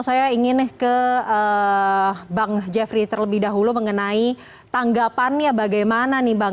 saya ingin ke bang jeffrey terlebih dahulu mengenai tanggapannya bagaimana nih bang